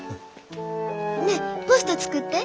ねっポスト作って。